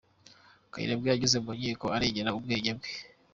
Kayirebwa yageze mu nkiko arengera ubwenge bwe